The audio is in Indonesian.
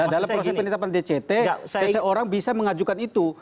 dalam proses penetapan dct seseorang bisa mengajukan itu